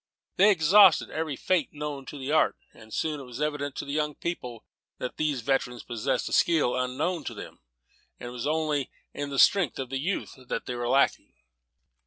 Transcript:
They exhausted every feint known to the art, and it was soon evident to the young people that these veterans possessed a skill unknown to them, and that it was only in the strength of youth they were lacking.